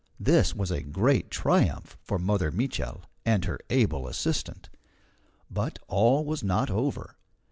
This was a great triumph for Mother Mitchel and her able assistant. But all was not over.